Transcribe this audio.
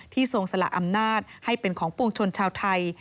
ทรงสละอำนาจให้เป็นของปวงชนชาวไทย